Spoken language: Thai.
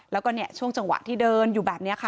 แล้วก็ช่วงจังหวะที่เดินอยู่แบบนี้ค่ะ